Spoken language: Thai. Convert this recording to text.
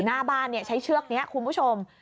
หน้าบ้านใช้เชือกนี้คุณผู้ชม